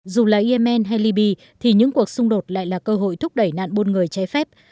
dù là yemen hay libya thì những cuộc xung đột lại là cơ hội thúc đẩy nạn buôn người trái phép